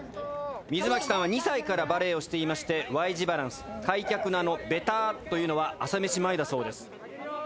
水牧さんは２歳からバレエをしていましてＹ字バランス開脚のあのベターッというのは朝飯前だそうです。